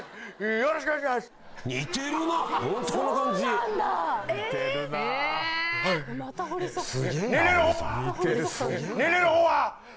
よろしくお願いします！